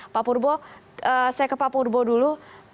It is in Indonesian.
pak purbo saya ke pak purbo dulu